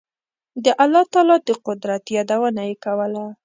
د الله تعالی د قدرت یادونه یې کوله.